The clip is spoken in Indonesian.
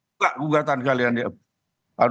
buka gugatan kalian ya